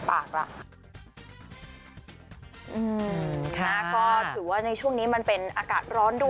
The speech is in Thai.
ถือว่าในช่วงนี้มันเป็นอากาศร้อนด้วย